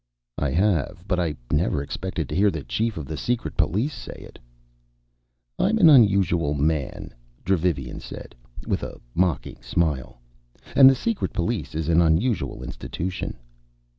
"I have. But I never expected to hear the Chief of the Secret Police say it." "I'm an unusual man," Dravivian said, with a mocking smile. "And the Secret Police is an unusual institution."